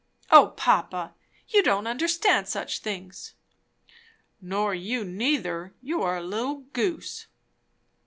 "O papa, you don't understand such things." "Nor you neither. You are a little goose."